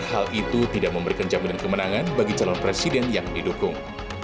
hal itu tidak memberikan jaminan kemenangan bagi calon presiden yang didukung